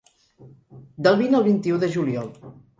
Del vint al vint-i-u de juliol.